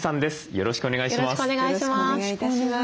よろしくお願いします。